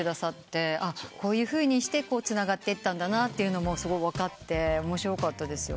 こういうふうにしてつながっていったんだなというのもすごい分かって面白かったですよ